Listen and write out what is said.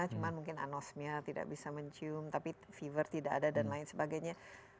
cuma mungkin anosmia tidak bisa mencium tapi fever tidak ada dan lain sebagainya